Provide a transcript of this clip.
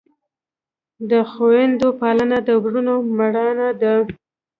د خویندو پالنه د ورور مړانه ده.